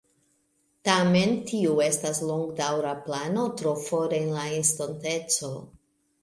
Tamen, tio estas longdaŭra plano tro for en la estonteco.